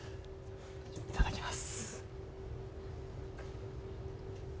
いただきます。